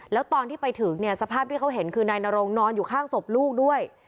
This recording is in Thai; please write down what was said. แล้วตอนที่ไปถึงเนี่ยสภาพที่เขาเห็นคือนายนรงนอนอยู่ข้างศพลูกด้วย